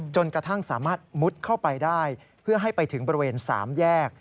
จนกระทั่งสามารถมุดเข้าไปได้เพื่อให้ไปถึงบริเวณ๓แยก